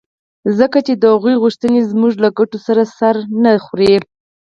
ځکه چې د هغوی غوښتنې زموږ له ګټو سره سر نه خوري.